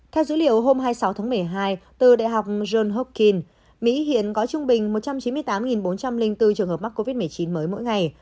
theo dữ liệu hôm hai mươi sáu tháng một mươi hai từ đại học john hokking mỹ hiện có trung bình một trăm chín mươi tám bốn trăm linh bốn trường hợp mắc covid một mươi chín mới mỗi ngày